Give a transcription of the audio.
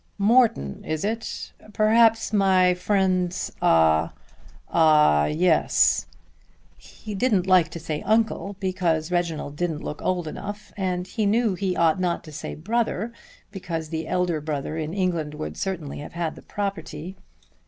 "Morton, is it; perhaps my friend's; ah ah, yes." He didn't like to say uncle because Reginald didn't look old enough, and he knew he ought not to say brother, because the elder brother in England would certainly have had the property.